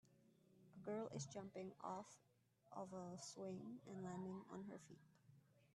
A girl is jumping off of a swing and landing on her feet